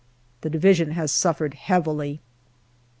The Division has suffered heavily.